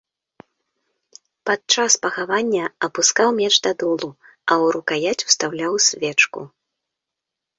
Пад час пахавання апускаў меч да долу, а ў рукаяць устаўляў свечку.